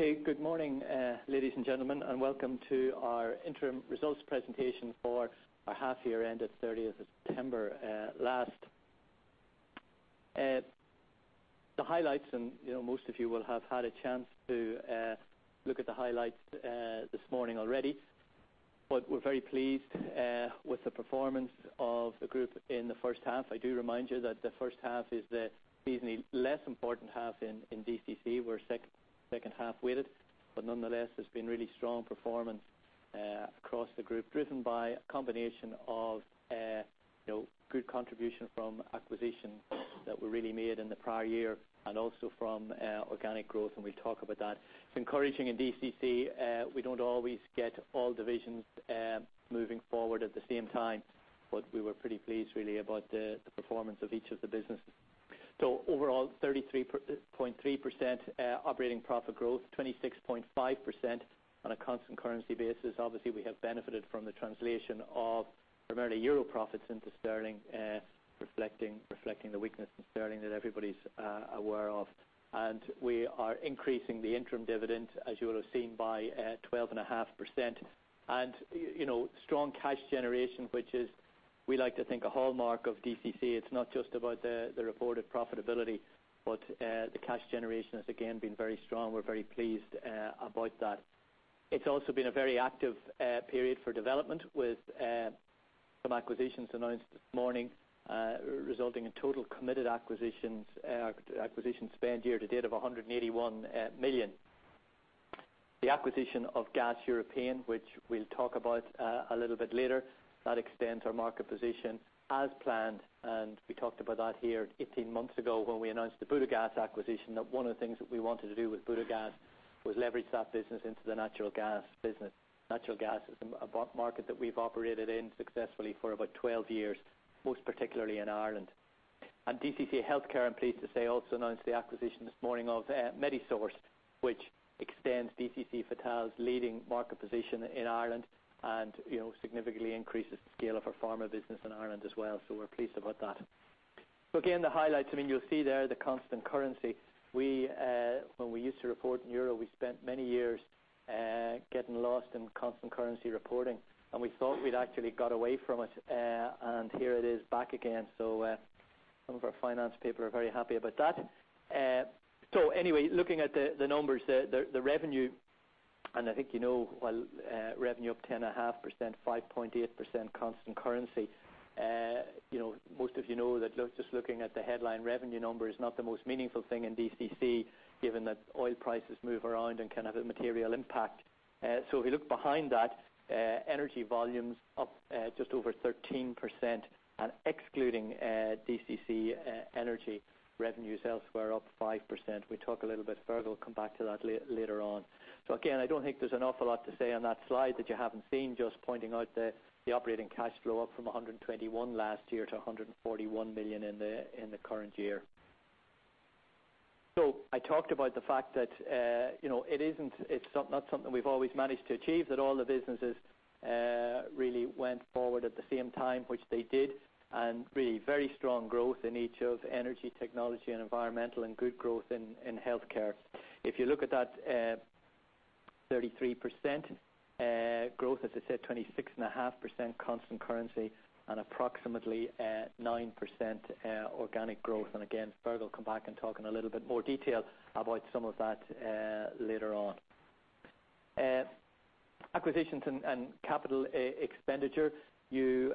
Okay. Good to go? Good morning, ladies and gentlemen, and welcome to our interim results presentation for our half year ended 30th of September last. The highlights, and most of you will have had a chance to look at the highlights this morning already, but we are very pleased with the performance of the group in the first half. I do remind you that the first half is the seasonally less important half in DCC. We are second half-weighted, but nonetheless, there has been really strong performance across the group, driven by a combination of good contribution from acquisitions that were really made in the prior year, and also from organic growth, and we will talk about that. It is encouraging in DCC. We do not always get all divisions moving forward at the same time, but we were pretty pleased really about the performance of each of the businesses. Overall, 33.3% operating profit growth, 26.5% on a constant currency basis. Obviously, we have benefited from the translation of primarily EUR profits into GBP, reflecting the weakness in GBP that everybody is aware of. We are increasing the interim dividend, as you will have seen, by 12.5%. Strong cash generation, which is, we like to think, a hallmark of DCC. It is not just about the reported profitability, but the cash generation has again been very strong. We are very pleased about that. It has also been a very active period for development, with some acquisitions announced this morning, resulting in total committed acquisitions spend year to date of 181 million. The acquisition of Gaz Européen, which we will talk about a little bit later, that extends our market position as planned, and we talked about that here 18 months ago when we announced the Butagaz acquisition, that one of the things that we wanted to do with Butagaz was leverage that business into the natural gas business. Natural gas is a market that we have operated in successfully for about 12 years, most particularly in Ireland. DCC Healthcare, I am pleased to say, also announced the acquisition this morning of Medisource, which extends DCC Vital's leading market position in Ireland and significantly increases the scale of our pharma business in Ireland as well. We are pleased about that. Again, the highlights. You will see there the constant currency. When we used to report in EUR, we spent many years getting lost in constant currency reporting, and we thought we had actually got away from it, and here it is back again. Some of our finance people are very happy about that. Anyway, looking at the numbers, the revenue, and I think you know while revenue up 10.5%, 5.8% constant currency. Most of you know that just looking at the headline revenue number is not the most meaningful thing in DCC, given that oil prices move around and can have a material impact. If we look behind that, energy volumes up just over 13%, and excluding DCC Energy, revenues elsewhere up 5%. Fergal will come back to that later on. Again, I don't think there's an awful lot to say on that slide that you haven't seen, just pointing out the operating cash flow up from 121 last year to 141 million in the current year. I talked about the fact that it's not something we've always managed to achieve, that all the businesses really went forward at the same time, which they did, and really very strong growth in each of DCC Energy, DCC Technology and environmental and good growth in DCC Healthcare. If you look at that 33% growth, as I said, 26.5% constant currency and approximately 9% organic growth. Again, Fergal will come back and talk in a little bit more detail about some of that later on. Acquisitions and capital expenditure. You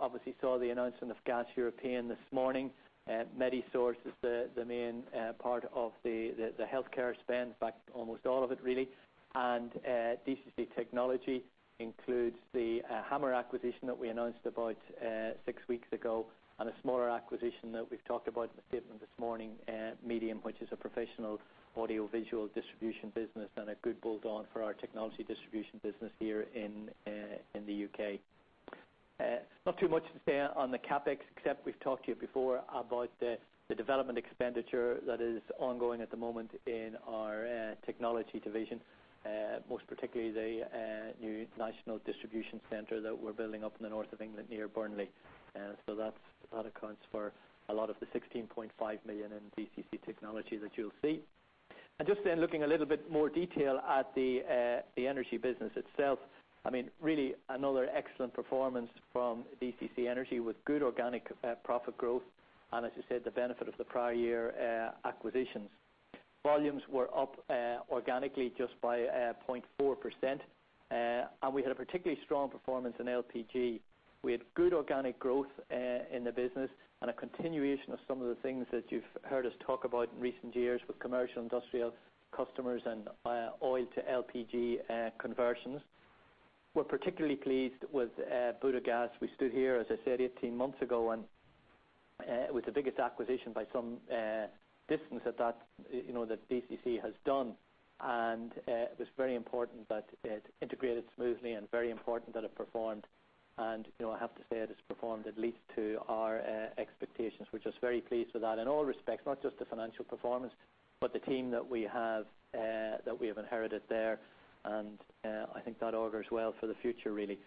obviously saw the announcement of Gaz Européen this morning. Medisource is the main part of the DCC Healthcare spend, in fact almost all of it really, DCC Technology includes the Hammer acquisition that we announced about six weeks ago and a smaller acquisition that we've talked about in the statement this morning, Medium, which is a professional audiovisual distribution business and a good bolt-on for our DCC Technology distribution business here in the U.K. Not too much to say on the CapEx except we've talked to you before about the development expenditure that is ongoing at the moment in our DCC Technology division, most particularly the new national distribution center that we're building up in the north of England near Burnley. That accounts for a lot of the 16.5 million in DCC Technology that you'll see. Just in looking a little bit more detail at the DCC Energy business itself, really another excellent performance from DCC Energy with good organic profit growth and as I said, the benefit of the prior year acquisitions. Volumes were up organically just by 0.4%, and we had a particularly strong performance in LPG. We had good organic growth in the business and a continuation of some of the things that you've heard us talk about in recent years with commercial industrial customers and oil to LPG conversions. We're particularly pleased with Butagaz. We stood here, as I said, 18 months ago, and it was the biggest acquisition by some distance that DCC has done, and it was very important that it integrated smoothly and very important that it performed. I have to say it has performed at least to our expectations. We're just very pleased with that in all respects, not just the financial performance, but the team that we have inherited there, and I think that augurs well for the future, really.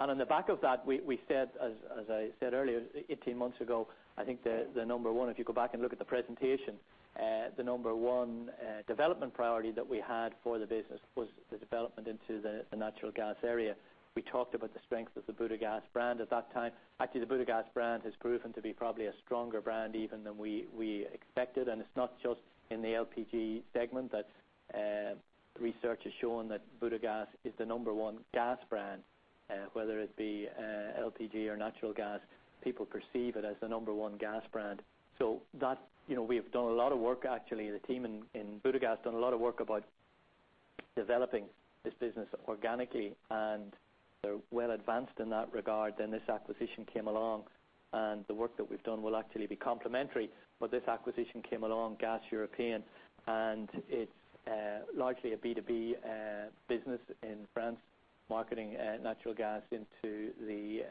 On the back of that, as I said earlier, 18 months ago, I think the number one, if you go back and look at the presentation, the number one development priority that we had for the business was the development into the natural gas area. We talked about the strength of the Butagaz brand at that time. Actually, the Butagaz brand has proven to be probably a stronger brand even than we expected, and it's not just in the LPG segment. Research has shown that Butagaz is the number one gas brand, whether it be LPG or natural gas. People perceive it as the number one gas brand. We have done a lot of work, actually. The team in Butagaz has done a lot of work about developing this business organically, and they're well advanced in that regard. This acquisition came along, and the work that we've done will actually be complementary. This acquisition came along, Gaz Européen, and it's largely a B2B business in France, marketing natural gas into the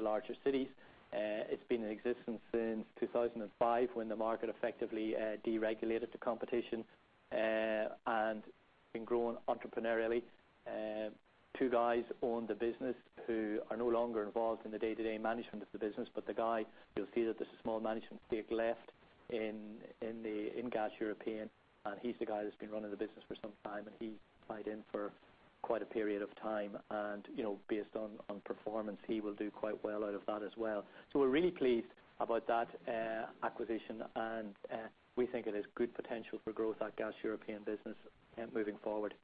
larger cities. It's been in existence since 2005 when the market effectively deregulated to competition, and been growing entrepreneurially. Two guys own the business who are no longer involved in the day-to-day management of the business. The guy, you'll see that there's a small management stake left in Gaz Européen, and he's the guy that's been running the business for some time, and he tied in for quite a period of time. Based on performance, he will do quite well out of that as well. We're really pleased about that acquisition, and we think it has good potential for growth, that Gaz Européen business, moving forward.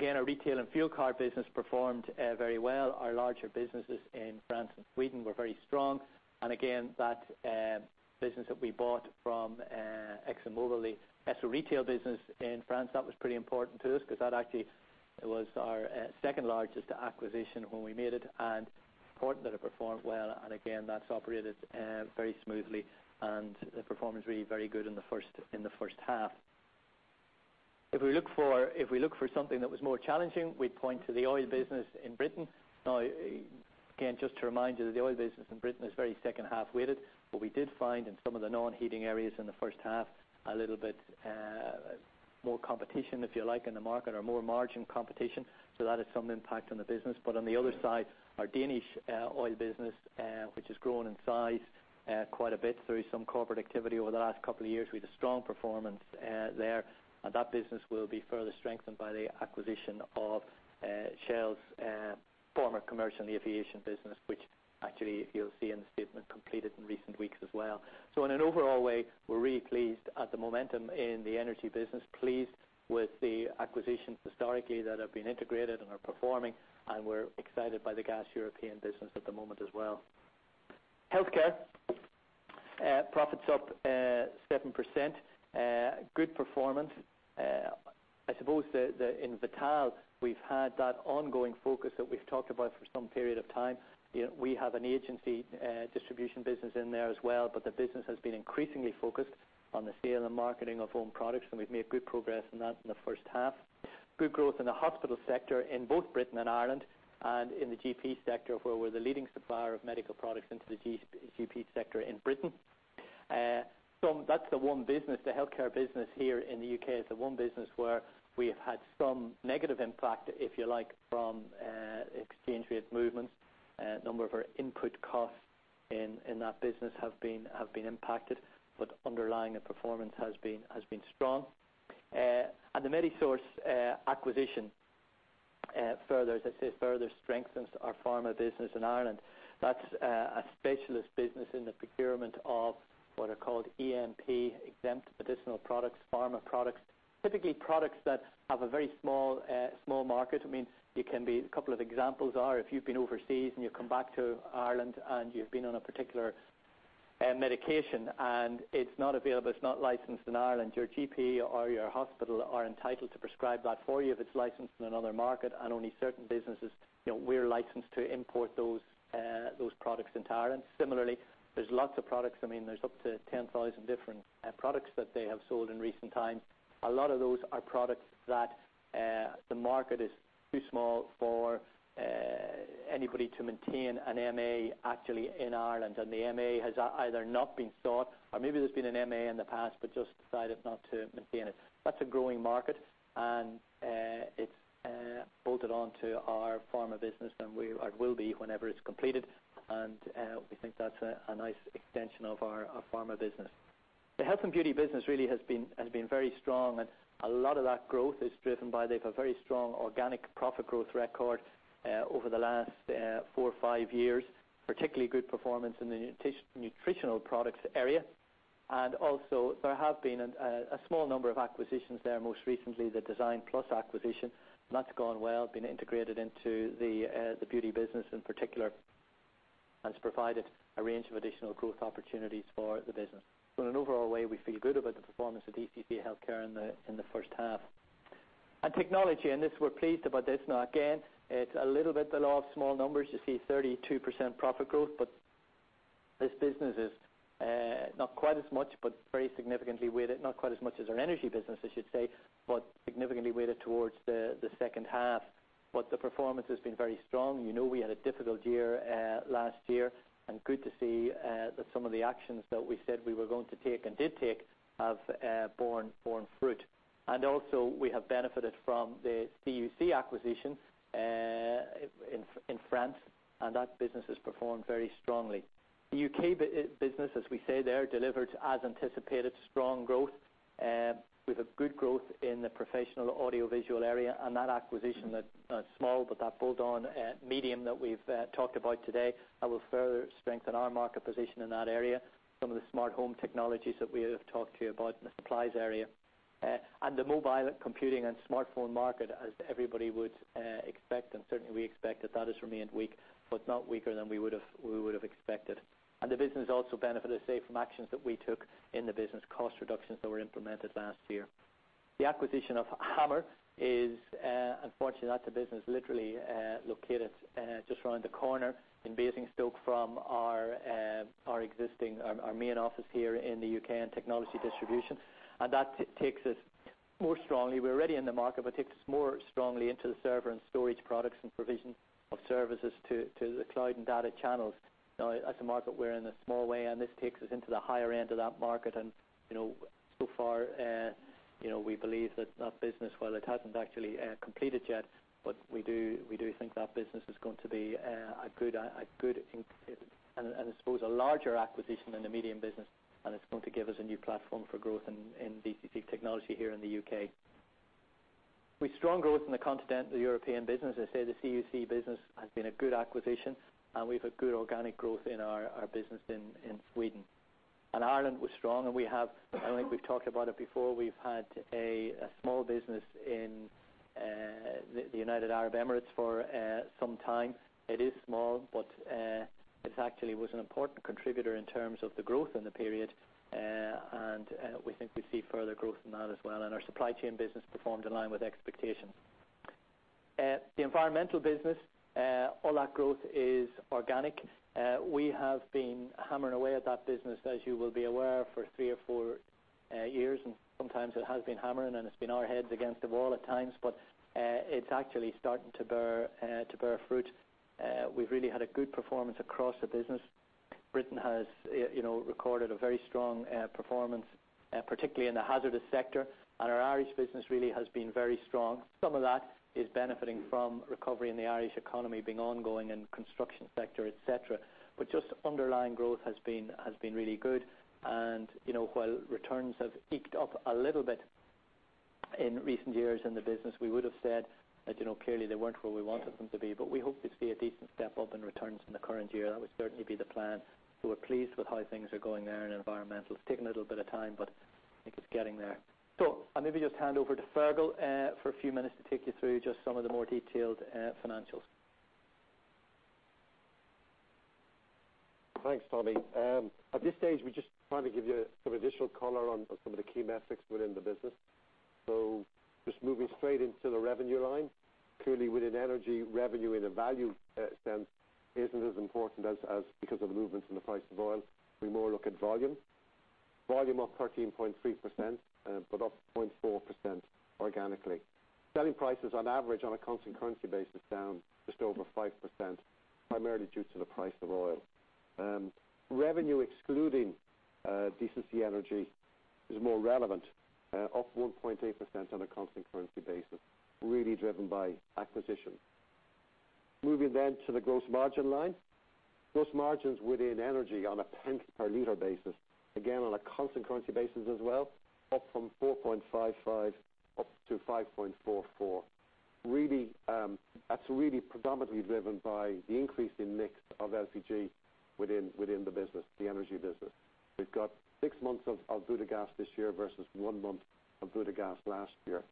Our retail and fuel card business performed very well. Our larger businesses in France and Sweden were very strong. That business that we bought from ExxonMobil, the Esso retail business in France, that was pretty important to us because that actually was our second-largest acquisition when we made it, and it's important that it performed well. That's operated very smoothly, and the performance really very good in the first half. If we look for something that was more challenging, we'd point to the oil business in Britain. Again, just to remind you that the oil business in Britain is very second half-weighted. We did find in some of the non-heating areas in the first half, a little bit more competition, if you like, in the market or more margin competition. That had some impact on the business. On the other side, our Danish oil business, which has grown in size quite a bit through some corporate activity over the last couple of years, we had a strong performance there. That business will be further strengthened by the acquisition of Shell's former commercial and the aviation business, which actually you'll see in the statement completed in recent weeks as well. In an overall way, we're really pleased at the momentum in the energy business, pleased with the acquisitions historically that have been integrated and are performing, and we're excited by the Gaz Européen business at the moment as well. Healthcare. Profits up 7%. Good performance. I suppose that in Vital, we've had that ongoing focus that we've talked about for some period of time. We have an agency distribution business in there as well, but the business has been increasingly focused on the sale and marketing of own products, and we've made good progress in that in the first half. Good growth in the hospital sector in both Britain and Ireland, and in the GP sector, where we're the leading supplier of medical products into the GP sector in Britain. That's the one business, the healthcare business here in the U.K. is the one business where we have had some negative impact, if you like, from exchange rate movements. A number of our input costs in that business have been impacted, but underlying, the performance has been strong. The Medisource acquisition, as I say, further strengthens our pharma business in Ireland. That's a specialist business in the procurement of what are called EMP, exempt medicinal products, pharma products. Typically, products that have a very small market. A couple of examples are if you've been overseas and you come back to Ireland and you've been on a particular medication and it's not available, it's not licensed in Ireland, your GP or your hospital are entitled to prescribe that for you if it's licensed in another market, and only certain businesses, we're licensed to import those products into Ireland. Similarly, there's lots of products. There's up to 10,000 different products that they have sold in recent times. A lot of those are products that the market is too small for anybody to maintain an MA actually in Ireland, and the MA has either not been sought, or maybe there's been an MA in the past but just decided not to maintain it. That's a growing market, and it's bolted on to our pharma business, and it will be whenever it's completed. We think that's a nice extension of our pharma business. The health and beauty business really has been very strong, and a lot of that growth is driven by they've a very strong organic profit growth record over the last four or five years, particularly good performance in the nutritional products area. Also there have been a small number of acquisitions there, most recently the Design Plus acquisition, and that's gone well, been integrated into the beauty business in particular, and has provided a range of additional growth opportunities for the business. So in an overall way, we feel good about the performance of DCC Healthcare in the first half. Technology, we're pleased about this. Again, it's a little bit the law of small numbers. You see 32% profit growth, This business is not quite as much, but very significantly weighted. Not quite as much as our energy business, I should say, but significantly weighted towards the second half. The performance has been very strong. You know we had a difficult year last year, and good to see that some of the actions that we said we were going to take and did take have borne fruit. Also we have benefited from the CUC acquisition in France, and that business has performed very strongly. The U.K. business, as we say there, delivered as anticipated, strong growth, with a good growth in the professional audiovisual area, and that acquisition that's small, but that bolt-on Medium that we've talked about today, that will further strengthen our market position in that area. Some of the smart home technologies that we have talked to you about in the supplies area. The mobile computing and smartphone market, as everybody would expect, and certainly we expect, that has remained weak, but not weaker than we would have expected. The business also benefited, say, from actions that we took in the business cost reductions that were implemented last year. The acquisition of Hammer is unfortunate. That's a business literally located just around the corner in Basingstoke from our main office here in the U.K. and technology distribution. That takes us more strongly. We're already in the market, but takes us more strongly into the server and storage products and provision of services to the cloud and data channels. As a market, we're in a small way, and this takes us into the higher end of that market. So far, we believe that that business, while it hasn't actually completed yet, we do think that business is going to be a good and I suppose a larger acquisition than the Medium business, and it's going to give us a new platform for growth in DCC Technology here in the U.K. Strong growth in the continental European business, the CUC business has been a good acquisition, and we've had good organic growth in our business in Sweden. Ireland was strong, I think we've talked about it before, we've had a small business in the United Arab Emirates for some time. It is small, but it actually was an important contributor in terms of the growth in the period, we think we see further growth in that as well. Our supply chain business performed in line with expectations. The environmental business, all that growth is organic. We have been hammering away at that business, as you will be aware, for three or four years, sometimes it has been hammering, and it's been our heads against the wall at times, it's actually starting to bear fruit. We've really had a good performance across the business. Britain has recorded a very strong performance, particularly in the hazardous sector, our Irish business really has been very strong. Some of that is benefiting from recovery in the Irish economy being ongoing in the construction sector, et cetera. Just underlying growth has been really good. While returns have eked up a little bit in recent years in the business, we would've said that clearly they weren't where we wanted them to be, we hope to see a decent step up in returns in the current year. That would certainly be the plan. We're pleased with how things are going there in environmental. It's taken a little bit of time, I think it's getting there. I'll maybe just hand over to Fergal for a few minutes to take you through just some of the more detailed financials. Thanks, Tommy. At this stage, we just finally give you some additional color on some of the key metrics within the business. Just moving straight into the revenue line. Clearly within energy, revenue in a value sense isn't as important because of the movements in the price of oil. We more look at volume. Volume up 13.3%, up 0.4% organically. Selling prices on average on a constant currency base is down just over 5%, primarily due to the price of oil. Revenue excluding DCC Energy is more relevant, up 1.8% on a constant currency basis, really driven by acquisition. Moving then to the gross margin line. Gross margins within energy on a penny per liter basis, again, on a constant currency basis as well, up from 0.0455 up to 0.0544. That's really predominantly driven by the increase in mix of LPG within the business, the energy business. We've got six months of Butagaz this year versus one month of Butagaz last year.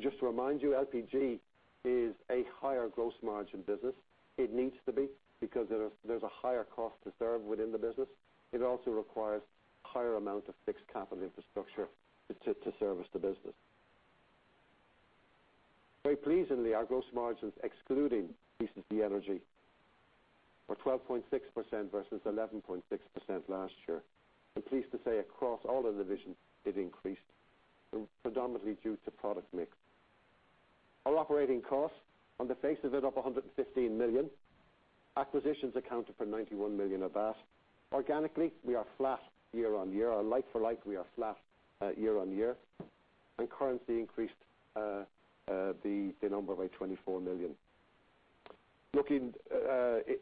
Just to remind you, LPG is a higher gross margin business. It needs to be, because there's a higher cost to serve within the business. It also requires higher amount of fixed capital infrastructure to service the business. Very pleasingly, our gross margins excluding DCC Energy were 12.6% versus 11.6% last year. I'm pleased to say across all of the divisions, it increased, predominantly due to product mix. Our operating costs on the face of it up 115 million. Acquisitions accounted for 91 million of that. Organically, we are flat year-on-year, or like-for-like we are flat year-on-year, currency increased the number by 24 million. Looking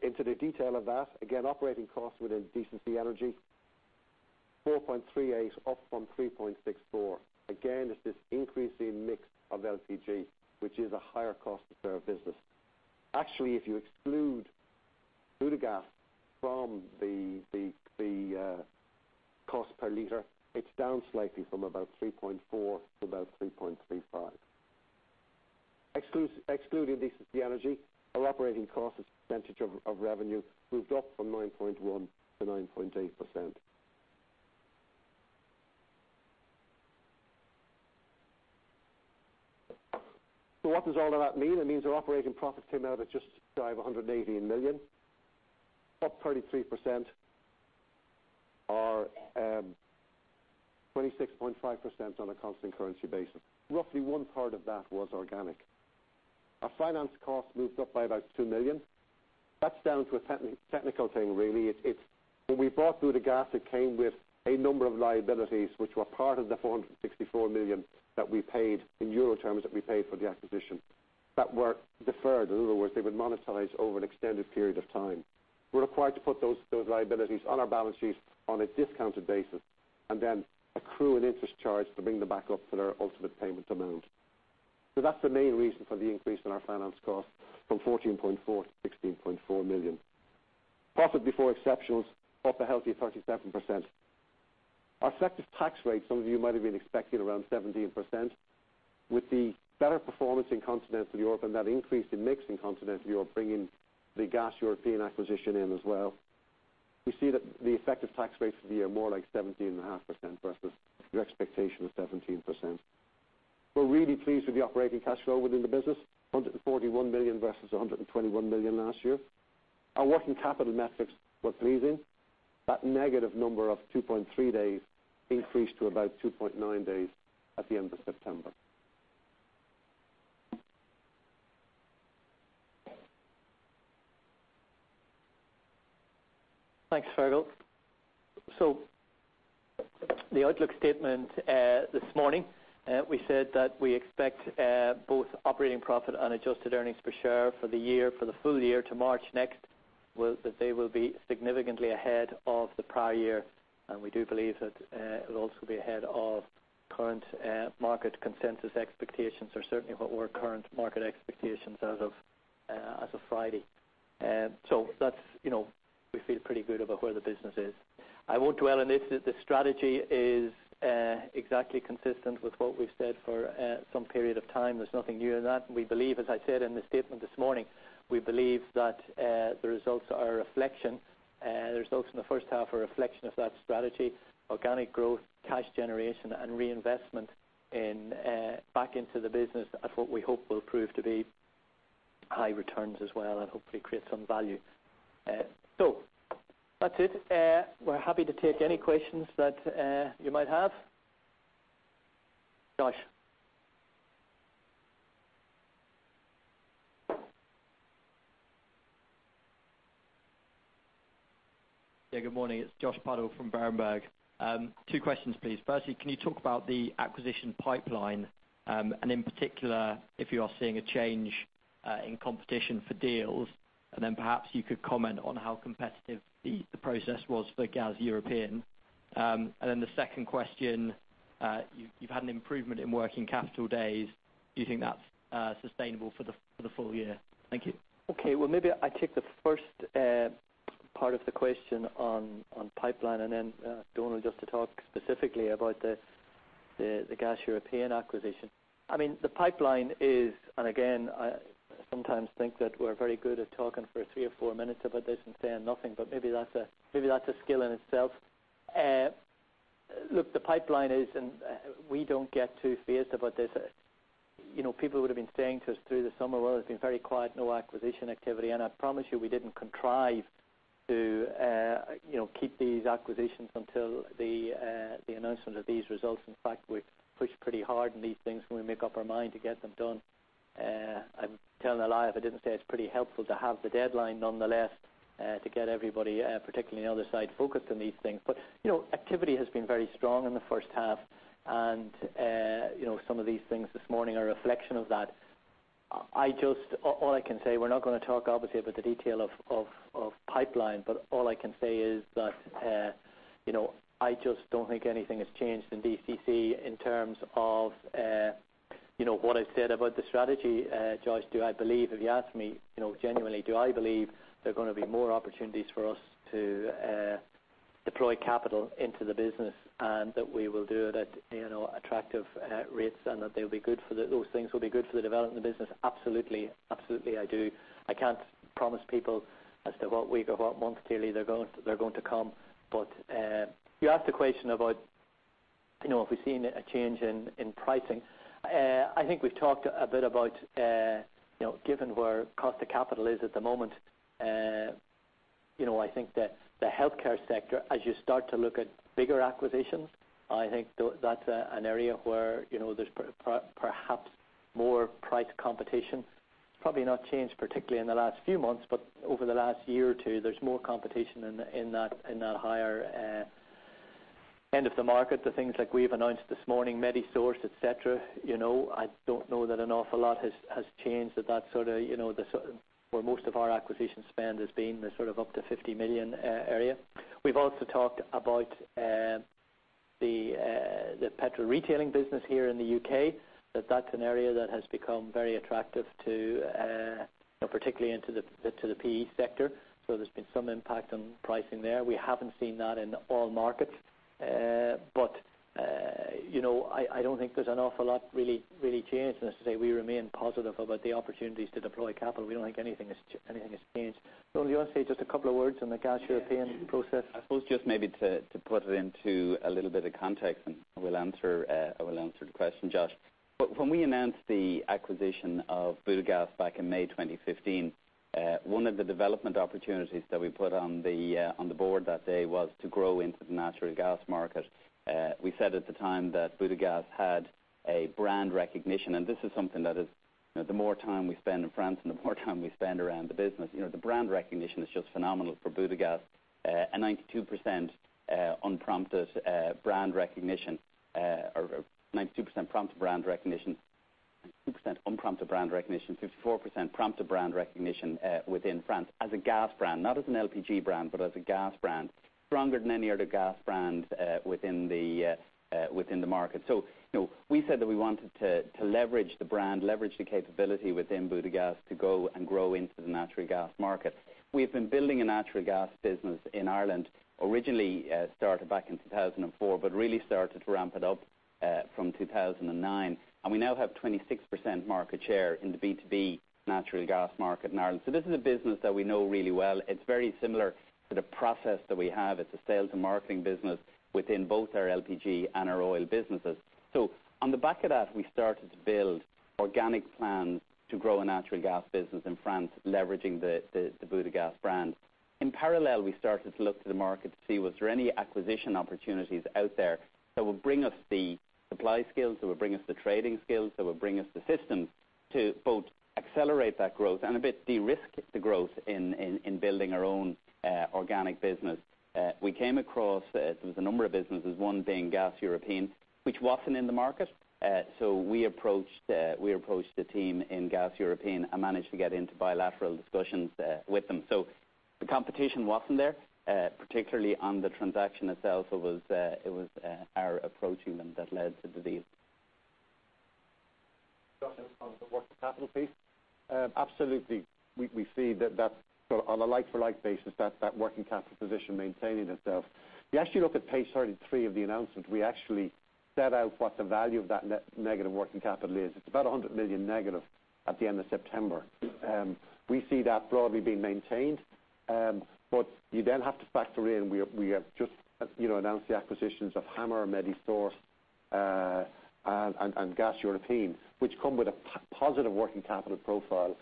into the detail of that, again, operating costs within DCC Energy, 4.38 up from 3.64. Again, it's this increasing mix of LPG, which is a higher cost to serve business. Actually, if you exclude Butagaz from the cost per liter, it's down slightly from about 3.4 to about 3.35. Excluding DCC Energy, our operating costs as a percentage of revenue moved up from 9.1% to 9.8%. What does all of that mean? It means our operating profits came out at just shy of 118 million, up 33% or 26.5% on a constant currency basis. Roughly one-third of that was organic. Our finance cost moved up by about 2 million. That's down to a technical thing, really. When we bought Butagaz, it came with a number of liabilities, which were part of the 464 million that we paid for the acquisition, that were deferred. In other words, they would monetize over an extended period of time. We're required to put those liabilities on our balance sheets on a discounted basis, and then accrue an interest charge to bring them back up for their ultimate payment amount. That's the main reason for the increase in our finance cost from 14.4 million to 16.4 million. Profit before exceptionals, up a healthy 37%. Our effective tax rate, some of you might have been expecting around 17%. With the better performance in continental Europe and that increase in mix in continental Europe, bringing the Gaz Européen acquisition in as well, we see that the effective tax rate for the year more like 17.5% versus your expectation of 17%. We're really pleased with the operating cash flow within the business, 141 million versus 121 million last year. Our working capital metrics were pleasing. That negative number of 2.3 days increased to about 2.9 days at the end of September. Thanks, Fergal. The outlook statement this morning, we said that we expect both operating profit and adjusted earnings per share for the full year to March next, that they will be significantly ahead of the prior year. We do believe that it'll also be ahead of current market consensus expectations, or certainly what were current market expectations as of Friday. We feel pretty good about where the business is. I won't dwell on this. The strategy is exactly consistent with what we've said for some period of time. There's nothing new in that. We believe, as I said in the statement this morning, we believe that the results in the first half are a reflection of that strategy. Organic growth, cash generation, and reinvestment back into the business at what we hope will prove to be high returns as well and hopefully create some value. That's it. We're happy to take any questions that you might have. Josh. Good morning. It's Josh Puddle from Berenberg. Two questions, please. Firstly, can you talk about the acquisition pipeline, and in particular, if you are seeing a change in competition for deals, then perhaps you could comment on how competitive the process was for Gaz Européen. The second question, you've had an improvement in working capital days. Do you think that's sustainable for the full year? Thank you. Maybe I take the first part of the question on pipeline, then Donal just to talk specifically about the Gaz Européen acquisition. The pipeline is, again, I sometimes think that we're very good at talking for three or four minutes about this and saying nothing, but maybe that's a skill in itself. Look, the pipeline is, we don't get too fierce about this. People would've been saying to us through the summer, "Well, it's been very quiet. No acquisition activity." I promise you, we didn't contrive to keep these acquisitions until the announcement of these results. In fact, we've pushed pretty hard on these things when we make up our mind to get them done. I'm telling a lie if I didn't say it's pretty helpful to have the deadline nonetheless, to get everybody, particularly on the other side, focused on these things. Activity has been very strong in the first half, and some of these things this morning are a reflection of that. All I can say, we're not going to talk obviously about the detail of pipeline, but all I can say is that I just don't think anything has changed in DCC in terms of what I've said about the strategy, Josh. If you asked me genuinely, do I believe there are going to be more opportunities for us to deploy capital into the business and that we will do it at attractive rates and those things will be good for the development of the business? Absolutely. Absolutely, I do. I can't promise people as to what week or what month clearly they're going to come. You asked a question about if we've seen a change in pricing. I think we've talked a bit about given where cost of capital is at the moment, I think that the healthcare sector, as you start to look at bigger acquisitions, I think that's an area where there's perhaps more price competition. It's probably not changed particularly in the last few months, but over the last year or two, there's more competition in that higher end of the market, the things like we've announced this morning, Medisource, et cetera. I don't know that an awful lot has changed where most of our acquisition spend has been the sort of up to 50 million area. We've also talked about the petrol retailing business here in the U.K., that that's an area that has become very attractive particularly to the PE sector. There's been some impact on pricing there. We haven't seen that in all markets. I don't think there's an awful lot really changed, and as I say, we remain positive about the opportunities to deploy capital. We don't think anything has changed. Donal, you want to say just a couple of words on the Gaz Européen process? I suppose just maybe to put it into a little bit of context. I will answer the question, Josh. When we announced the acquisition of Butagaz back in May 2015, one of the development opportunities that we put on the board that day was to grow into the natural gas market. We said at the time that Butagaz had a brand recognition, and this is something that the more time we spend in France and the more time we spend around the business, the brand recognition is just phenomenal for Butagaz. A 92% prompt to brand recognition, 6% unprompted brand recognition, 54% prompt to brand recognition within France as a gas brand, not as an LPG brand, but as a gas brand. Stronger than any other gas brand within the market. We said that we wanted to leverage the brand, leverage the capability within Butagaz to go and grow into the natural gas market. We've been building a natural gas business in Ireland, originally started back in 2004, but really started to ramp it up from 2009. We now have 26% market share in the B2B natural gas market in Ireland. This is a business that we know really well. It's very similar to the process that we have as a sales and marketing business within both our LPG and our oil businesses. On the back of that, we started to build organic plans to grow a natural gas business in France, leveraging the Butagaz brand. In parallel, we started to look to the market to see was there any acquisition opportunities out there that would bring us the supply skills, that would bring us the trading skills, that would bring us the systems to both accelerate that growth and a bit de-risk the growth in building our own organic business. We came across, there was a number of businesses, one being Gaz Européen, which wasn't in the market. We approached the team in Gaz Européen and managed to get into bilateral discussions with them. The competition wasn't there, particularly on the transaction itself. It was our approaching them that led to the deal. Justin, on the working capital piece. Absolutely. We see that on a like-for-like basis, that working capital position maintaining itself. If you actually look at page 33 of the announcement, we actually set out what the value of that net negative working capital is. It's about 100 million negative at the end of September. We see that broadly being maintained, you then have to factor in, we have just announced the acquisitions of Hammer, Medisource, and Gaz Européen, which come with a positive working capital profile.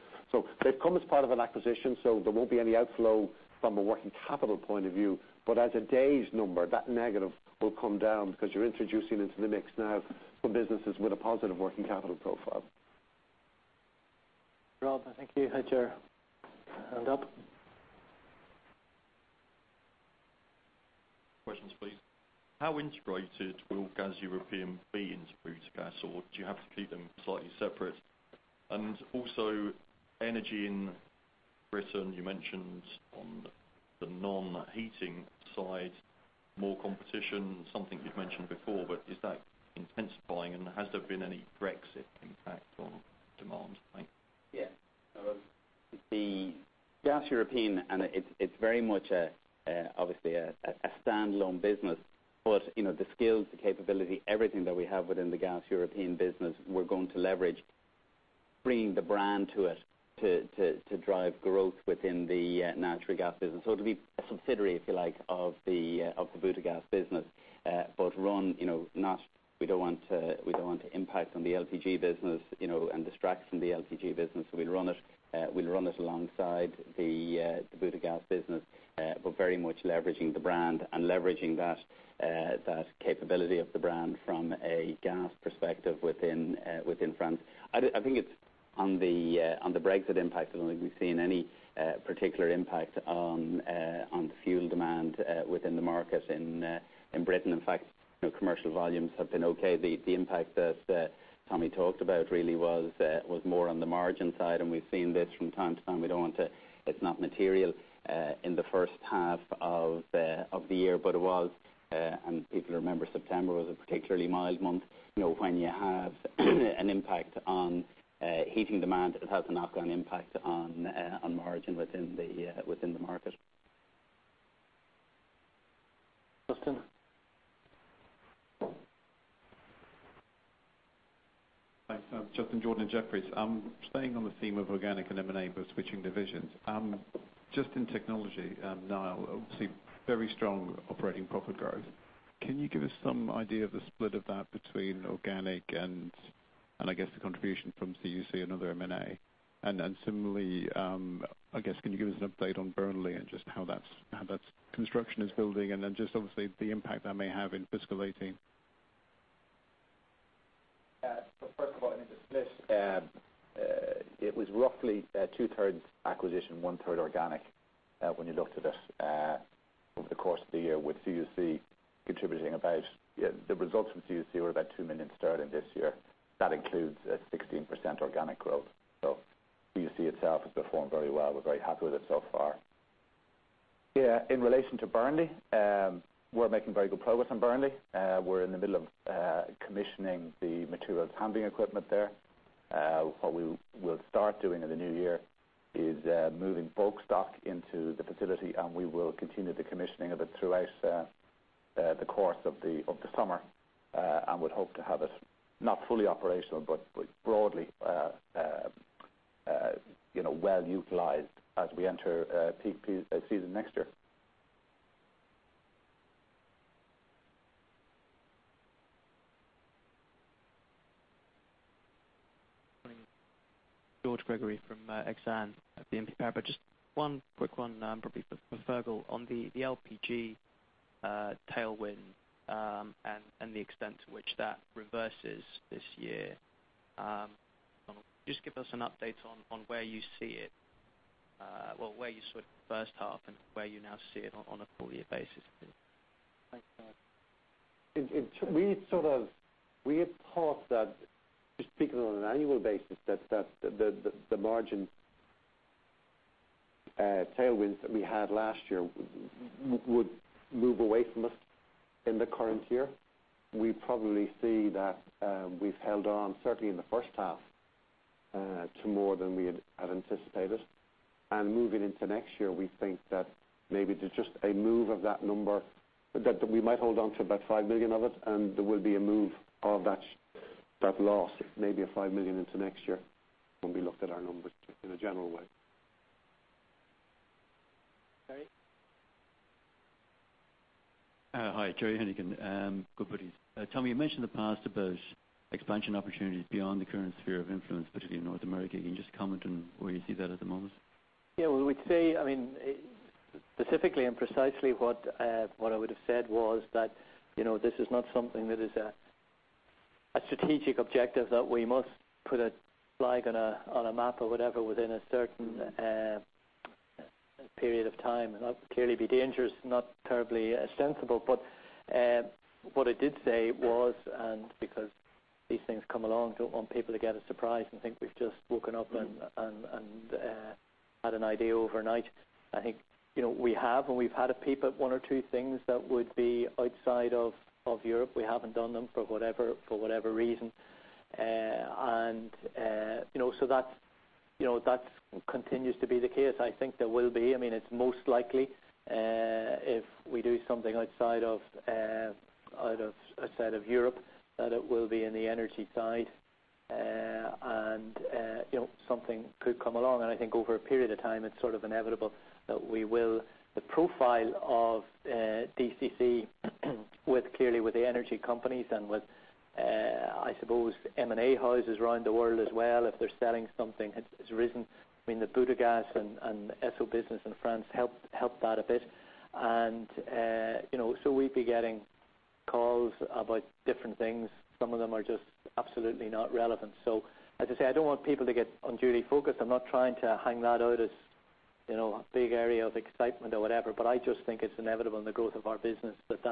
They've come as part of an acquisition, there won't be any outflow from a working capital point of view. As a days number, that negative will come down because you're introducing into the mix now some businesses with a positive working capital profile. Rob, I think you had your hand up. Questions, please. How integrated will Gaz Européen be into Butagaz, or do you have to keep them slightly separate? Energy in Britain, you mentioned on the non-heating side, more competition, something you've mentioned before, is that intensifying and has there been any Brexit impact on demand? The Gaz Européen, it's very much obviously a standalone business. The skills, the capability, everything that we have within the Gaz Européen business, we're going to leverage, bringing the brand to it to drive growth within the natural gas business. It'll be a subsidiary, if you like, of the Butagaz business. We don't want to impact on the LPG business, and distract from the LPG business. We'll run it alongside the Butagaz business, but very much leveraging the brand and leveraging that capability of the brand from a gas perspective within France. I think on the Brexit impact, I don't think we've seen any particular impact on fuel demand within the market in Britain. In fact, commercial volumes have been okay. The impact that Tommy talked about really was more on the margin side, and we've seen this from time to time. It's not material in the first half of the year, but it was. People remember September was a particularly mild month. When you have an impact on heating demand, it has an ongoing impact on margin within the market. Justin? Thanks. Justin Jordan at Jefferies. Staying on the theme of organic and M&A, switching divisions. Just in technology, Niall, obviously very strong operating profit growth. Can you give us some idea of the split of that between organic and I guess the contribution from CUC, another M&A? Similarly, I guess, can you give us an update on Burnley and just how that construction is building, and then just obviously the impact that may have in fiscal 2018? First of all, on the split. It was roughly two thirds acquisition, one third organic, when you looked at it over the course of the year, with the results from CUC were about 2 million sterling this year. That includes a 16% organic growth. CUC itself has performed very well. We're very happy with it so far. In relation to Burnley, we're making very good progress on Burnley. We're in the middle of commissioning the materials handling equipment there. What we'll start doing in the new year is moving bulk stock into the facility, we will continue the commissioning of it throughout the course of the summer, and would hope to have it, not fully operational, but broadly well utilized as we enter peak season next year. Good morning. George Gregory from Exane BNP Paribas. Just one quick one, probably for Fergal, on the LPG tailwind and the extent to which that reverses this year. Just give us an update on where you see it. Well, where you saw it in the first half and where you now see it on a full year basis. Thanks, George. We had thought that, just speaking on an annual basis, that the margin tailwinds that we had last year would move away from us in the current year. We probably see that we've held on, certainly in the first half, to more than we had anticipated. Moving into next year, we think that maybe there's just a move of that number, that we might hold on to about 5 million of it, and there will be a move of that loss, maybe of 5 million into next year when we looked at our numbers in a general way. Terry? Hi, Terry Heneghan, Goodbody. Tommy, you mentioned in the past about expansion opportunities beyond the current sphere of influence, particularly in North America. Can you just comment on where you see that at the moment? Yeah. Specifically and precisely what I would've said was that this is not something that is a strategic objective that we must put a flag on a map or whatever within a certain period of time. That would clearly be dangerous, not terribly sensible. What I did say was, and because these things come along, don't want people to get a surprise and think we've just woken up and had an idea overnight. I think, we have, and we've had a peep at one or two things that would be outside of Europe. We haven't done them for whatever reason. That continues to be the case. I think there will be. It's most likely, if we do something outside of Europe, that it will be in the energy side. Something could come along, I think over a period of time, it's sort of inevitable that we will. The profile of DCC, clearly with the energy companies and with, I suppose, M&A houses around the world as well, if they're selling something, has risen. The Butagaz and Esso business in France helped that a bit. We'd be getting calls about different things. Some of them are just absolutely not relevant. As I say, I don't want people to get unduly focused. I'm not trying to hang that out as a big area of excitement or whatever, but I just think it's inevitable in the growth of our business that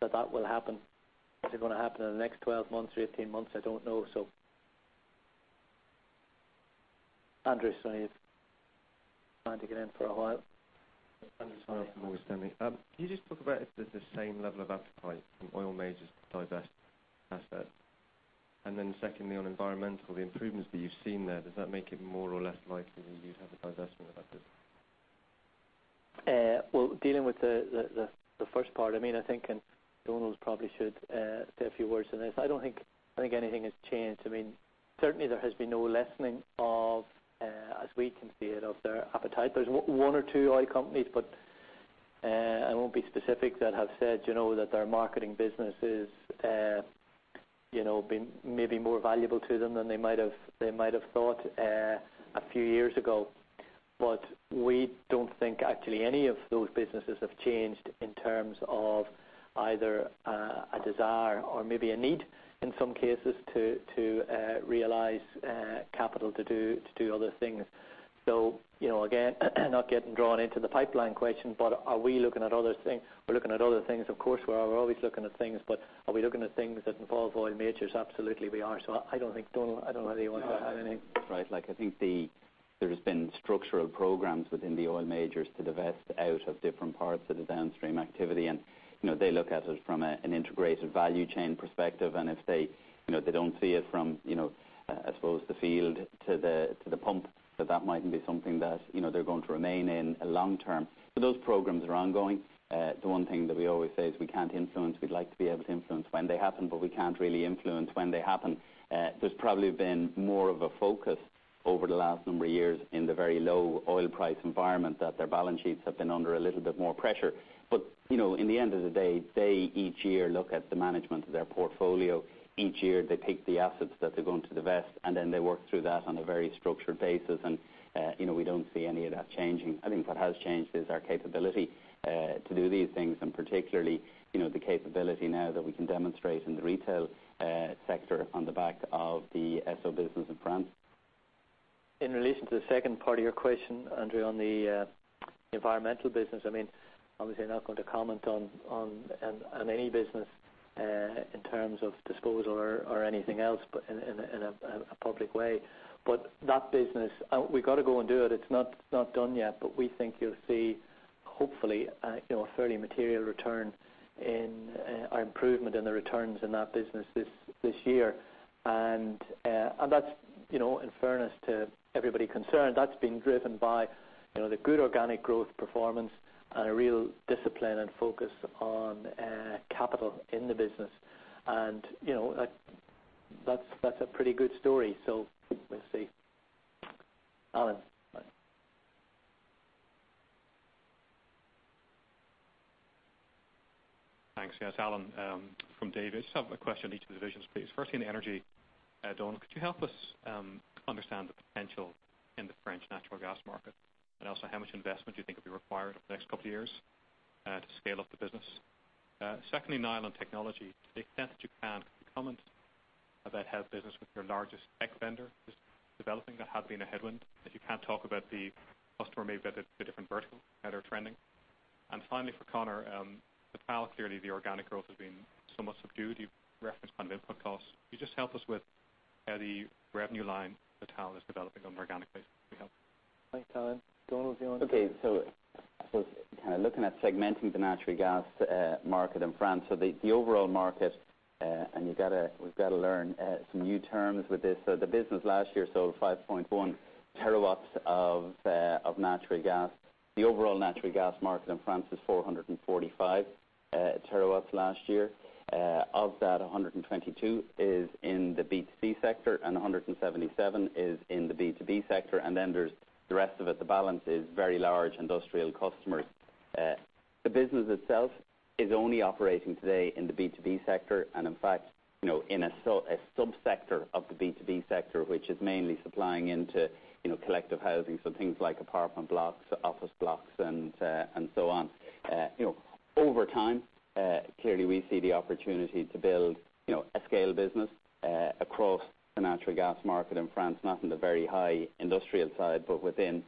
that will happen. If it's going to happen in the next 12 months or 18 months, I don't know. Andrew, you're trying to get in for a while. Andrew. Can you just talk about if there's the same level of appetite from oil majors to divest assets? Secondly, on environmental, the improvements that you've seen there, does that make it more or less likely that you'd have a divestment effect? Dealing with the first part, I think, Donal probably should say a few words on this. I don't think anything has changed. Certainly, there has been no lessening of, as we can see it, of their appetite. There's one or two oil companies, but I won't be specific, that have said, that their marketing business has been maybe more valuable to them than they might have thought a few years ago. We don't think actually any of those businesses have changed in terms of either a desire or maybe a need in some cases to realize capital to do other things. Again, not getting drawn into the pipeline question, but are we looking at other things? We're looking at other things, of course we are. We're always looking at things, but are we looking at things that involve oil majors? Absolutely, we are. I don't think, Donal, I don't know whether you want to add any. No. I think there has been structural programs within the oil majors to divest out of different parts of the downstream activity. They look at it from an integrated value chain perspective. If they do not see it from, I suppose, the field to the pump, that might not be something that they are going to remain in long term. Those programs are ongoing. The one thing that we always say is we cannot influence. We would like to be able to influence when they happen, but we cannot really influence when they happen. There has probably been more of a focus over the last number of years in the very low oil price environment that their balance sheets have been under a little bit more pressure. In the end of the day, they each year look at the management of their portfolio. Each year, they pick the assets that they are going to divest. They work through that on a very structured basis. We do not see any of that changing. I think what has changed is our capability to do these things, and particularly, the capability now that we can demonstrate in the retail sector on the back of the Esso business in France. In relation to the second part of your question, Andrew, on the environmental business, obviously I am not going to comment on any business in terms of disposal or anything else in a public way. That business, we have got to go and do it. It is not done yet. We think you will see, hopefully, a fairly material return in our improvement in the returns in that business this year. That is, in fairness to everybody concerned, that is being driven by the good organic growth performance and a real discipline and focus on capital in the business. That is a pretty good story. We will see. Alan Thanks. Yes, Alan from Davy. I just have a question on each of the divisions, please. Firstly, on energy. Donal, could you help us understand the potential in the French natural gas market? Also how much investment do you think will be required over the next couple of years to scale up the business? Secondly, DCC Technology. To the extent that you can, could you comment about how the business with your largest tech vendor is developing that had been a headwind. If you cannot talk about the customer, maybe about the different verticals that are trending. Finally, for Conor, Vital. Clearly, the organic growth has been somewhat subdued. You referenced input costs. Could you just help us with how the revenue line for Vital is developing on an organic basis? Thanks, Alan. Donal, do you want to- Okay. I was looking at segmenting the natural gas market in France. The overall market, and we've got to learn some new terms with this. The business last year sold 5.1 terawatt hours of natural gas. The overall natural gas market in France was 445 terawatt hours last year. Of that, 122 is in the B2C sector and 177 is in the B2B sector. The rest of it, the balance, is very large industrial customers. The business itself is only operating today in the B2B sector and, in fact, in a sub-sector of the B2B sector, which is mainly supplying into collective housing, so things like apartment blocks, office blocks, and so on. Over time, clearly we see the opportunity to build a scale business across the natural gas market in France, not in the very high industrial side, but within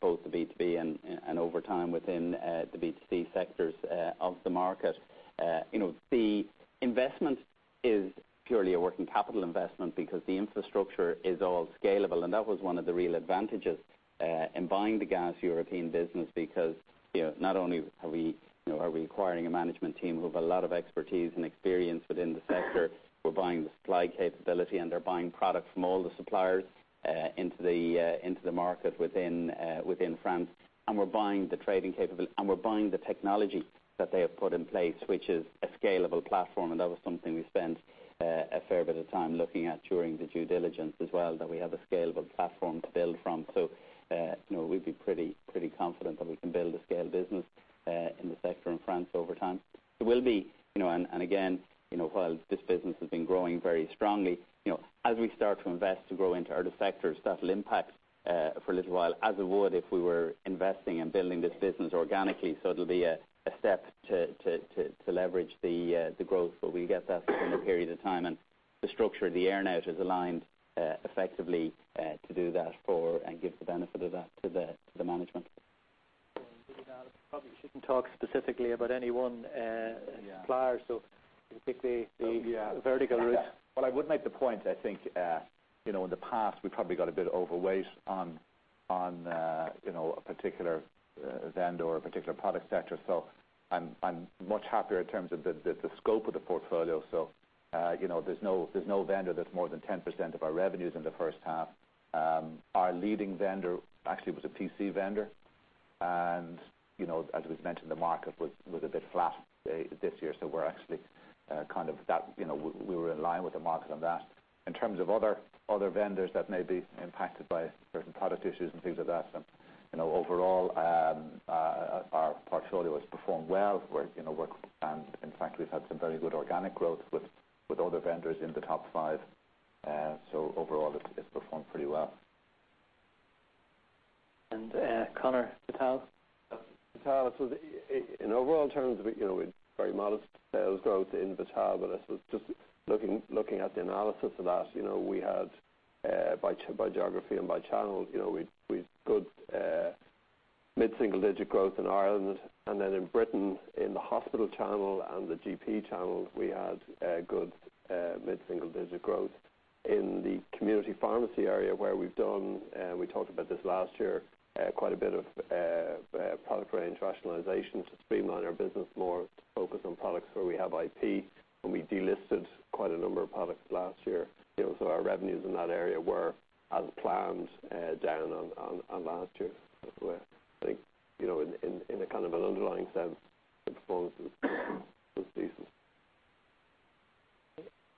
both the B2B and, over time, within the B2C sectors of the market. The investment is purely a working capital investment because the infrastructure is all scalable, and that was one of the real advantages in buying the Gaz Européen business because not only are we acquiring a management team who have a lot of expertise and experience within the sector, we're buying the supply capability, and they're buying product from all the suppliers into the market within France. We're buying the technology that they have put in place, which is a scalable platform, and that was something we spent a fair bit of time looking at during the due diligence as well, that we have a scalable platform to build from. We'd be pretty confident that we can build a scale business in the sector in France over time. Again, while this business has been growing very strongly, as we start to invest to grow into other sectors, that'll impact for a little while, as it would if we were investing and building this business organically. It'll be a step to leverage the growth. We get that within a period of time, and the structure of the earn-out is aligned effectively to do that for, and give the benefit of that to the management. Probably shouldn't talk specifically about any one supplier. We take the vertical route. I would make the point, I think, in the past, we probably got a bit overweight on a particular vendor or particular product sector. I'm much happier in terms of the scope of the portfolio. There's no vendor that's more than 10% of our revenues in the first half. Our leading vendor actually was a PC vendor. As we've mentioned, the market was a bit flat this year, we were in line with the market on that. In terms of other vendors that may be impacted by certain product issues and things like that, overall, our portfolio has performed well. In fact, we've had some very good organic growth with other vendors in the top five. Overall, it's performed pretty well. Conor, Vital? Vital. In overall terms, very modest sales growth in Vital, but just looking at the analysis of that, by geography and by channel, we've good mid-single-digit growth in Ireland. In Britain, in the hospital channel and the GP channel, we had good mid-single-digit growth. In the community pharmacy area where we've done, we talked about this last year, quite a bit of product range rationalization to streamline our business more to focus on products where we have IP, and we de-listed quite a number of products last year. Our revenues in that area were as planned down on last year. I think in a kind of an underlying sense, the performance was decent.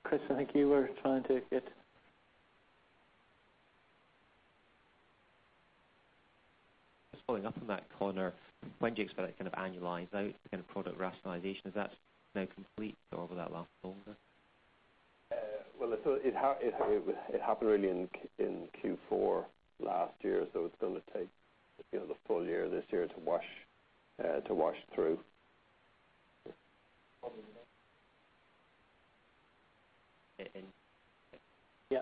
Chris, I think you were trying to get Just following up on that, Conor, when do you expect it kind of annualize out, the kind of product rationalization? Is that now complete or will that last longer? It happened really in Q4 last year. It's going to take the full year this year to wash through. Follow me there. Yeah.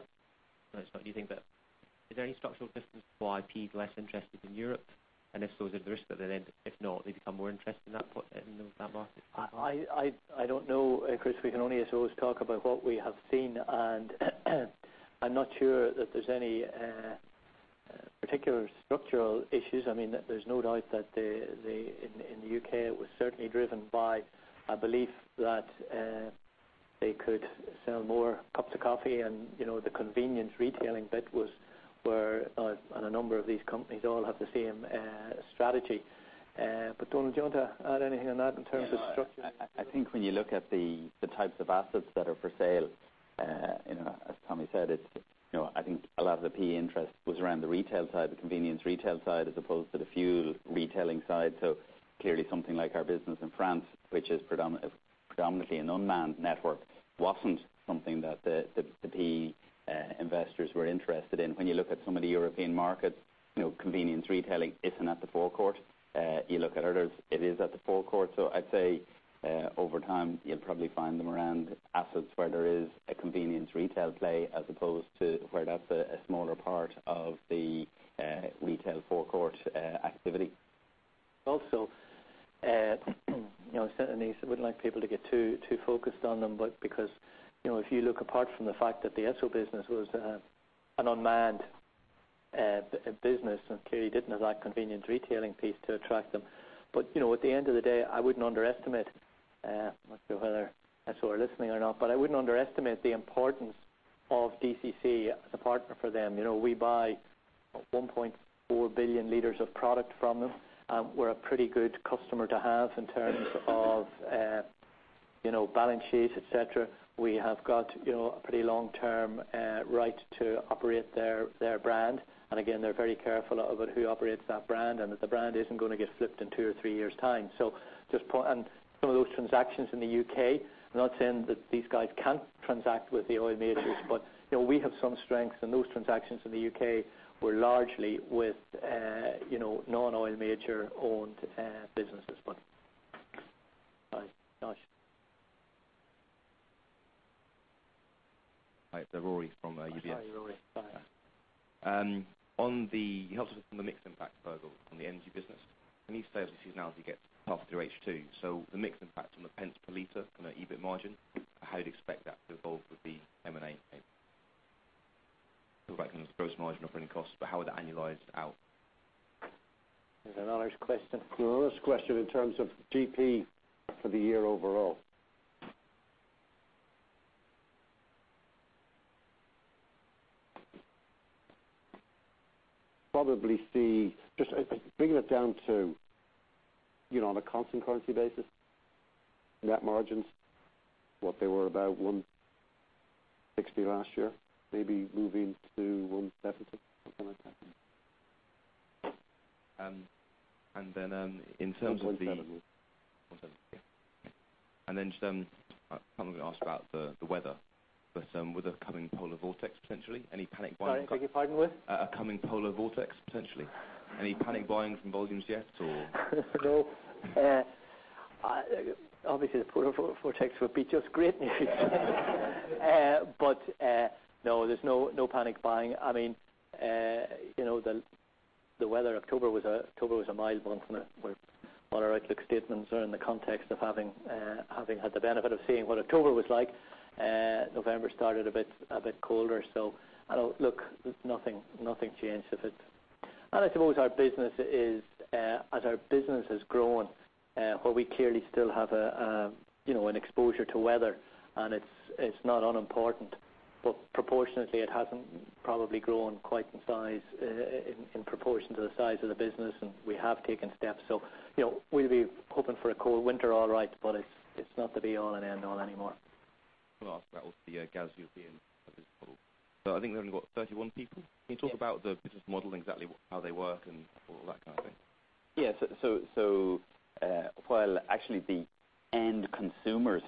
Is there any structural difference for IP less interested in Europe? If so, is there the risk that if not, they become more interested in that market? I don't know, Chris. We can only talk about what we have seen. I'm not sure that there's any particular structural issues. There's no doubt that in the U.K., it was certainly driven by a belief that they could sell more cups of coffee, the convenience retailing bit. A number of these companies all have the same strategy. Donal, do you want to add anything on that in terms of structure? I think when you look at the types of assets that are for sale. As Tommy said, I think a lot of the PE interest was around the retail side, the convenience retail side, as opposed to the fuel retailing side. Clearly something like our business in France, which is predominantly an unmanned network, wasn't something that the PE investors were interested in. When you look at some of the European markets, convenience retailing isn't at the forecourt. You look at others, it is at the forecourt. I'd say, over time, you'll probably find them around assets where there is a convenience retail play as opposed to where that's a smaller part of the retail forecourt activity. Also, certainly, I wouldn't like people to get too focused on them because if you look apart from the fact that the Esso business was an unmanned business, clearly didn't have that convenience retailing piece to attract them. At the end of the day, I don't know whether Esso are listening or not, but I wouldn't underestimate the importance of DCC as a partner for them. We buy 1.4 billion liters of product from them. We're a pretty good customer to have in terms of balance sheet, et cetera. We have got a pretty long-term right to operate their brand. Again, they're very careful about who operates that brand, and that the brand isn't going to get flipped in two or three years' time. Some of those transactions in the U.K., I'm not saying that these guys can't transact with the oil majors, but we have some strength, and those transactions in the U.K. were largely with non-oil major-owned businesses. Right. Got you. Hi. Rory from UBS. Sorry, Rory. Hi. You helped us with the mix impact, Fergal, on the energy business. You say as the seasonality gets tougher through H2, the mix impact on the pence per liter on the EBIT margin, how do you expect that to evolve with the M&A? It feels like on the gross margin operating costs, how would that annualize out? It's an honest question. It's an honest question in terms of GP for the year overall. Bringing it down to on a constant currency basis, net margins, what they were about 1.60 last year, maybe moving to 1.70, something like that. And then in terms of the- 170. Okay. Then just, I probably going to ask about the weather. With a coming polar vortex, potentially, any panic buying? Sorry, I beg your pardon, with? A coming polar vortex, potentially. Any panic buying from volumes yet, or? No. Obviously, the polar vortex would be just great news. No, there's no panic buying. The weather, October was a mild month, and our outlook statements are in the context of having had the benefit of seeing what October was like. November started a bit colder. Look, nothing's changed of it. I suppose as our business has grown, while we clearly still have an exposure to weather, and it's not unimportant, but proportionately it hasn't probably grown in proportion to the size of the business, and we have taken steps. We'll be hoping for a cold winter, all right, but it's not the be-all and end-all anymore. Can I ask about the Gaz Européen business model? I think they've only got 31 people. Yes. Can you talk about the business model and exactly how they work and all that kind of thing? Yes. While actually the end consumers,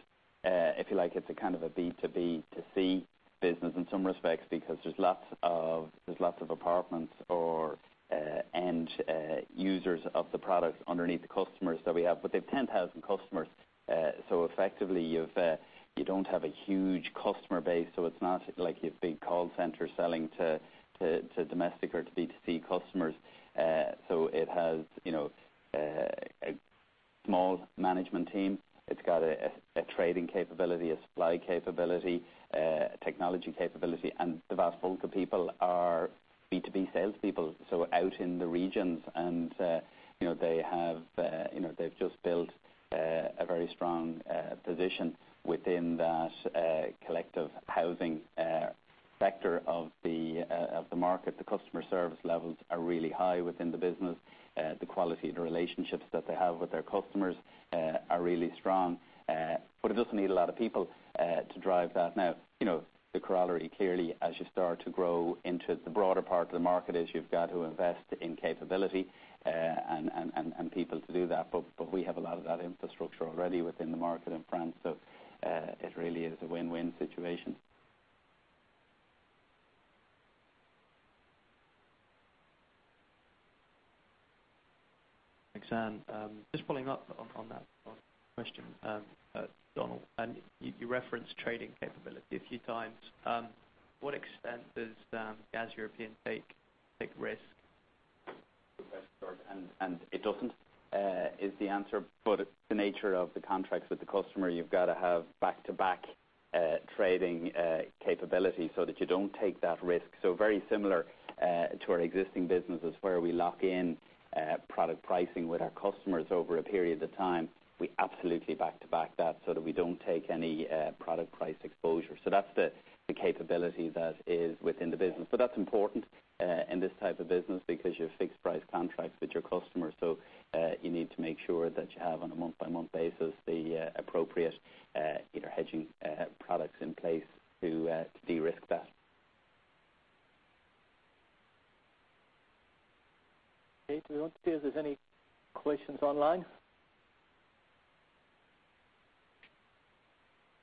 if you like, it's a kind of a B2B2C business in some respects because there's lots of apartments or end users of the product underneath the customers that we have. They've 10,000 customers. Effectively, you don't have a huge customer base, so it's not like your big call center selling to domestic or to B2C customers. It has a small management team. It's got a trading capability, a supply capability, a technology capability, and the vast bulk of people are B2B salespeople, so out in the regions. They've just built a very strong position within that collective housing sector of the market. The customer service levels are really high within the business. The quality of the relationships that they have with their customers are really strong. It doesn't need a lot of people to drive that. Now, the corollary clearly as you start to grow into the broader part of the market is you've got to invest in capability and people to do that. We have a lot of that infrastructure already within the market in France. It really is a win-win situation. Thanks. Just following up on that question, Donal, you referenced trading capability a few times. What extent does Gaz Européen take risk? Good question, George. It doesn't, is the answer. The nature of the contracts with the customer, you've got to have back-to-back trading capability so that you don't take that risk. Very similar to our existing businesses where we lock in product pricing with our customers over a period of time. We absolutely back to back that so that we don't take any product price exposure. That's the capability that is within the business. That's important in this type of business because you have fixed price contracts with your customers, you need to make sure that you have, on a month-by-month basis, the appropriate either hedging products in place to de-risk that. Okay. Do we want to see if there's any questions online?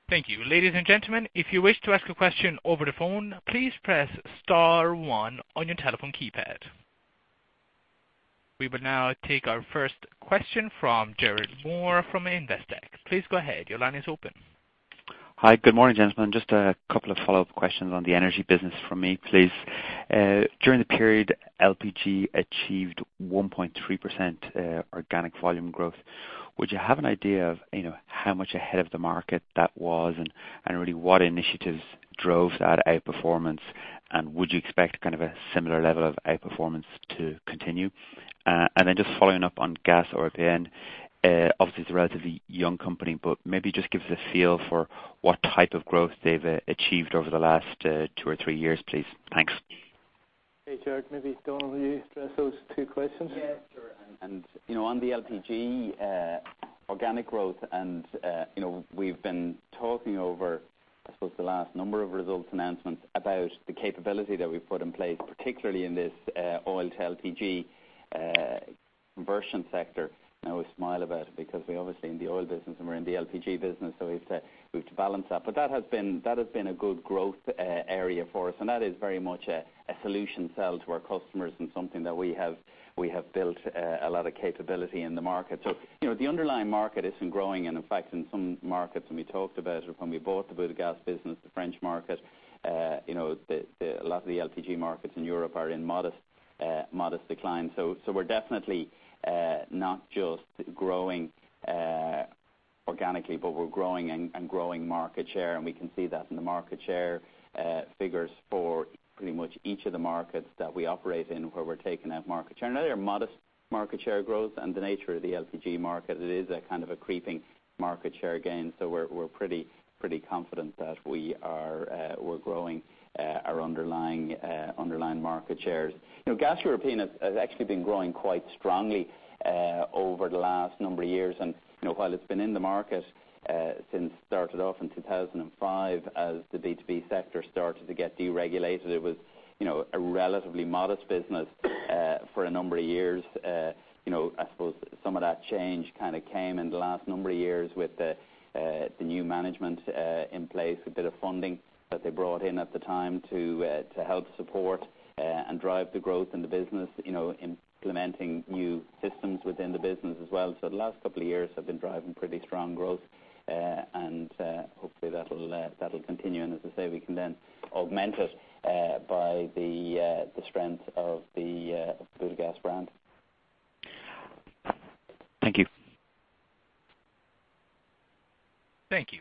Thank you. Ladies and gentlemen, if you wish to ask a question over the phone, please press star one on your telephone keypad. We will now take our first question from Gerald Moore from Investec. Please go ahead. Your line is open. Hi. Good morning, gentlemen. Just a couple of follow-up questions on the energy business from me, please. During the period, LPG achieved 1.3% organic volume growth. Would you have an idea of how much ahead of the market that was, and really what initiatives drove that outperformance, and would you expect kind of a similar level of outperformance to continue? Just following up on Gaz Européen. Obviously, it's a relatively young company, but maybe just give us a feel for what type of growth they've achieved over the last two or three years, please. Thanks. Hey, Gerald. Maybe, Donal, you address those two questions? Yeah, sure. On the LPG organic growth, we've been talking over, I suppose, the last number of results announcements about the capability that we've put in place, particularly in this oil-to-LPG conversion sector. Now we smile about it because we're obviously in the oil business, and we're in the LPG business, so we have to balance that. That has been a good growth area for us, and that is very much a solution sell to our customers and something that we have built a lot of capability in the market. The underlying market isn't growing, and in fact, in some markets, and we talked about it when we bought the Butagaz business, the French market, a lot of the LPG markets in Europe are in modest decline. We're definitely not just growing organically, but we're growing and growing market share, and we can see that in the market share figures for pretty much each of the markets that we operate in, where we're taking out market share. They are modest market share growth, and the nature of the LPG market, it is a kind of a creeping market share gain. We're pretty confident that we're growing our underlying market shares. Gaz Européen has actually been growing quite strongly over the last number of years. While it's been in the market since started off in 2005, as the B2B sector started to get deregulated, it was a relatively modest business for a number of years. I suppose some of that change kind of came in the last number of years with the new management in place, a bit of funding that they brought in at the time to help support and drive the growth in the business, implementing new systems within the business as well. The last couple of years have been driving pretty strong growth, and hopefully, that'll continue. As I say, we can then augment it by the strength of the Butagaz brand. Thank you. Thanks.